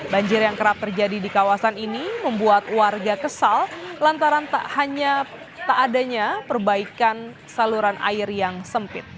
banjir yang kerap terjadi di kawasan ini membuat warga kesal lantaran tak hanya tak adanya perbaikan saluran air yang sempit